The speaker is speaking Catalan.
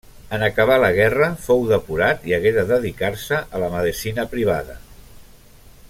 En acabar la guerra fou depurat i hagué de dedicar-se a la medicina privada.